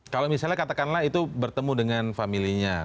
kalau misalnya katakanlah itu bertemu dengan familinya